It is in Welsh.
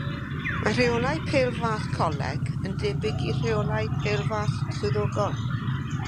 Mae rheolau pêl-fas coleg yn debyg i'r Rheolau Pêl-Fas Swyddogol.